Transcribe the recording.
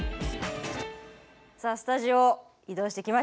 さあスタジオ移動してきました。